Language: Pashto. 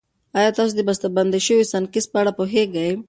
ایا تاسو د بستهبندي شويو سنکس په اړه پوهېږئ؟